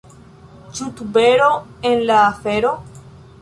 Ĉu tubero en la afero?